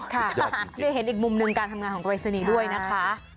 ได้เห็นอีกมุมหนึ่งการทำงานของปรายศนีย์ด้วยนะคะ